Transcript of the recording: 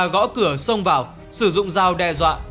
h cùng k gõ cửa xông vào sử dụng rào đe dọa